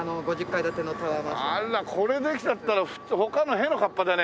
これできちゃったら他のへのかっぱだね。